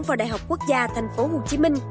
vào đại học quốc gia thành phố hồ chí minh